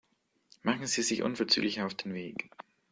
Machen Sie sich unverzüglich auf den Weg.